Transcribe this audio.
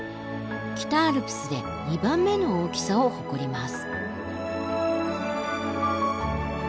北アルプスで２番目の大きさを誇ります。